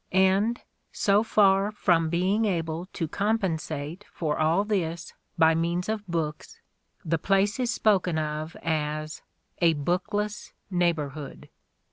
And, so far from being able to compensate for all this by means of books the place is spoken of as "a bookless neighbourhood."